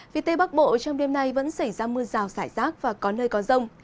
vì tây bắc bộ trong đêm nay vẫn xảy ra mưa rào xảy rác và có nơi có rông